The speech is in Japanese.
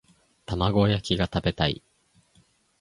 玉子焼きが食べたい